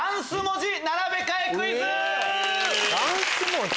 ダンス文字？